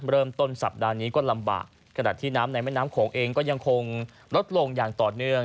เริ่มต้นสัปดาห์นี้ก็ลำบากขณะที่น้ำในแม่น้ำโขงเองก็ยังคงลดลงอย่างต่อเนื่อง